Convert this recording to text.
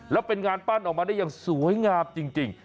แล้วเป็นงานปั้นออกมาได้อย่างสวยงามจริง